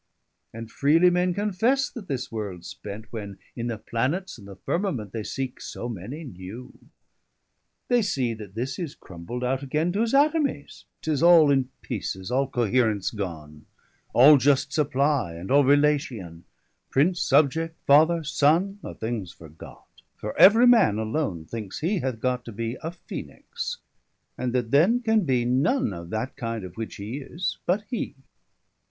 And freely men confesse that this world's spent, When in the Planets, and the Firmament 210 They seeke so many new; they see that this Is crumbled out againe to his Atomies. 'Tis all in peeces, all cohaerence gone; All just supply, and all Relation: Prince, Subject, Father, Sonne, are things forgot, 215 For every man alone thinkes he hath got To be a Phœnix, and that then can bee None of that kinde, of which he is, but hee.